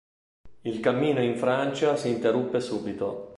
Il cammino in Francia si interruppe subito.